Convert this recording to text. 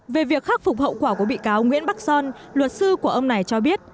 về việc khắc phục hậu quả của bị cáo nguyễn bắc son luật sư của ông này cho biết